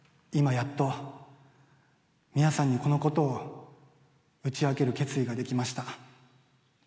やっと皆さんに、このことを打ち明ける決意ができました。